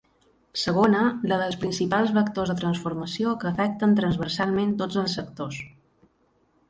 Segona, la dels principals vectors de transformació que afecten transversalment tots els sectors.